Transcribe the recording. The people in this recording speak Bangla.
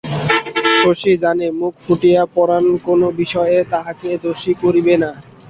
শশী জানে মুখ ফুটিয়া পরাণ কোনো বিষয়ে তাহাকে দোষী করিরে না।